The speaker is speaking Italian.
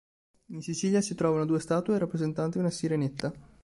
In Sicilia si trovano due statue rappresentanti una Sirenetta.